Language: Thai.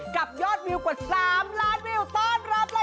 กับยอดวิวกว่า๓ล้านวิวต้อนรับเลย